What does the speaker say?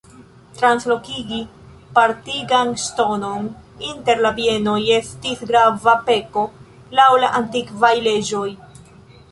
Translokigi partigan ŝtonon inter la bienoj estis grava peko laŭ la antikvaj leĝoj.